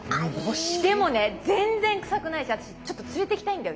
でもね全然臭くないし私ちょっと連れていきたいんだよ